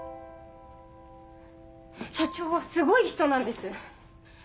社長はすごい人なんです。